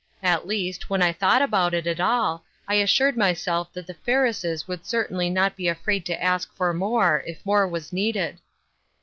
At least, when I thought about it at all, I assured myself that the Ferrises would certainly not be afraid to ask for more, if more was needed."